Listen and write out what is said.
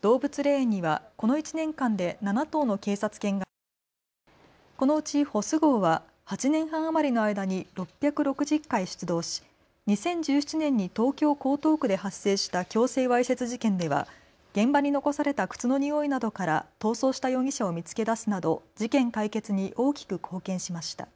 動物霊園には、この１年間で７頭の警察犬が埋葬されこのうちホス号は８年半余りの間に６６０回出動し２０１７年に東京江東区で発生した強制わいせつ事件では現場に残された靴のにおいなどから逃走した容疑者を見つけ出すなど事件解決に大きく貢献しました。